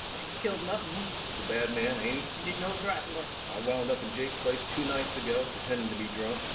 Jake's killed enough of 'em. REVENUE. He's a bad man, ain't he? LUKE. He's no trifler. REVENUE. I wound up in Jake's place two nights ago, pretending to be drunk.